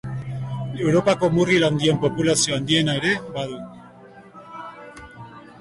Europako murgil handien populazio handiena ere badu.